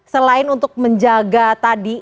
selain untuk menjaga tadi